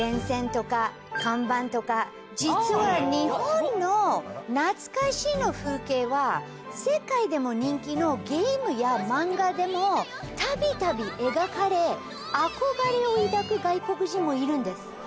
実は日本の懐かしいの風景は世界でも人気のゲームや漫画でも度々描かれ憧れを抱く外国人もいるんです。